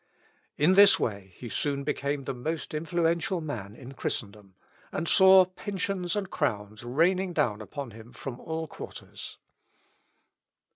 In this way he soon became the most influential man in Christendom, and saw pensions and crowns raining down upon him from all quarters.